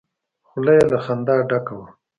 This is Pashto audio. خوله يې له خندا ډکه وه.